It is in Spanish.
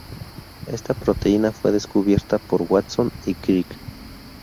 Esta proteína fue descubierta por Watson y Crick.